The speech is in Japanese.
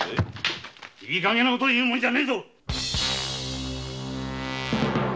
いいかげんなことを言うんじゃねえ！